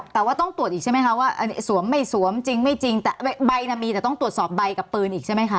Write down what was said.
แต่ว่าต้องตรวจอีกใช่ไหมคะว่าอันนี้สวมไม่สวมจริงไม่จริงแต่ใบน่ะมีแต่ต้องตรวจสอบใบกับปืนอีกใช่ไหมคะ